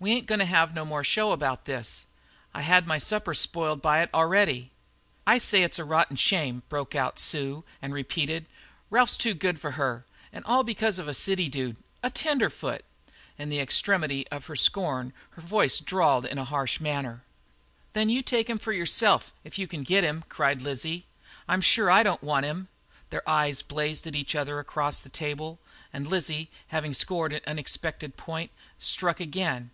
"We ain't goin' to have no more show about this. I've had my supper spoiled by it already." "I say it's a rotten shame," broke out Sue, and she repeated, "Ralph's too good for her. All because of a city dude a tenderfoot!" In the extremity of her scorn her voice drawled in a harsh murmur. "Then take him yourself, if you can get him!" cried Lizzie. "I'm sure I don't want him!" Their eyes blazed at each other across the table, and Lizzie, having scored an unexpected point, struck again.